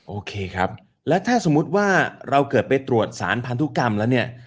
โอเคครับแล้วถ้าสมมุติว่าเราเกิดไปตรวจสารพันธุกรรมแล้วเนี่ย